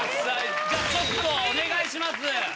じゃあちょっとお願いします。